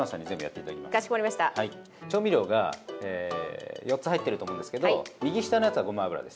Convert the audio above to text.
調味料が４つ入っていると思うんですけれども、右下のやつはごま油です。